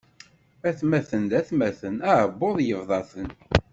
Atmaten d atmaten, aɛubbuḍ yebḍa-ten.